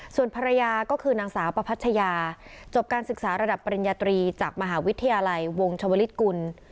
ส่วนภรรยาก็คือนางสาวประพัชยาจบการศึกษาระดับปริญญาตรีจากมหาวิทยาลัยวงชวลิศกุล